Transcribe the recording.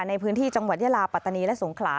ในพื้นที่จังหวัดยาลาปัตตานีและสงขลา